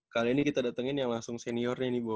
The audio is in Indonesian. kali ini kita datengin yang langsung seniornya nih bo